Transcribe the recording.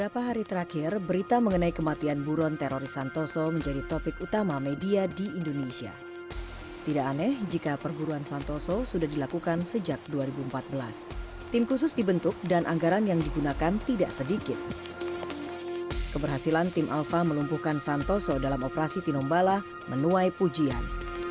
pertama kali pembunuhan dari tim ini dikira menjadi kejadian